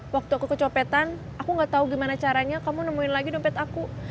waktu aku kecopetan aku gak tau gimana caranya kamu nemuin lagi dompet aku